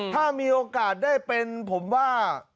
ถ้ามีโอกาสได้เป็นผมว่า